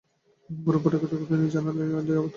গুটিপোকা তাহার নিজের জালেই নিজে আবদ্ধ হয়।